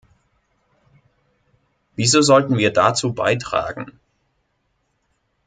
Wieso sollten wir dazu beitragen?